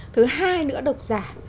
thứ hai nữa đọc giả